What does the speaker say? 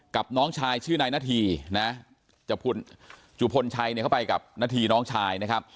น้องชายชื่อนายนาธีนะจุพลชัยเนี่ยเขาไปกับนาธีน้องชายนะครับ